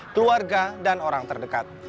keluarga dan orang terdekat